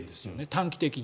短期的に。